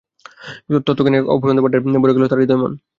তত্ত্বজ্ঞানের এক অফুরন্ত ভাণ্ডারে ভরে গেল তার হৃদয়-মন।